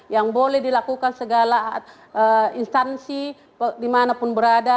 yang boleh dilakukan segala instansi dimanapun berada